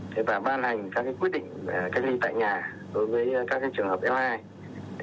và ban hành các quyết định cách ly tại nhà đối với các trường hợp f hai